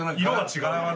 色が違う。